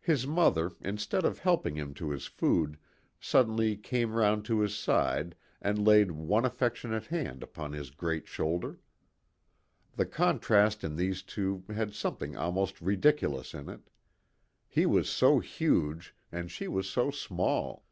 His mother, instead of helping him to his food, suddenly came round to his side and laid one affectionate hand upon his great shoulder. The contrast in these two had something almost ridiculous in it. He was so huge, and she was so small.